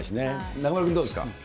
中丸君、どうですか。